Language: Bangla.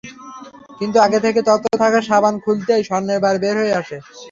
কিন্তু আগে থেকে তথ্য থাকায় সাবান খুলতেই স্বর্ণের বার বের হয়ে আসে।